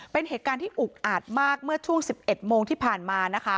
เป็นเหตุการณ์ที่อุกอาจมากเมื่อช่วง๑๑โมงที่ผ่านมานะคะ